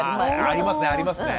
ありますねありますね。